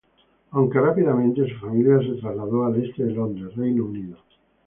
Aunque, rápidamente su familia se trasladó al este de Londres, Reino Unido.